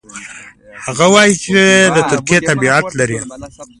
هغه وايي چې د ترکیې تابعیت لري.